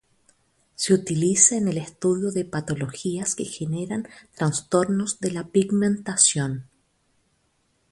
Se utiliza en el estudio de patologías que generan trastornos de la pigmentación.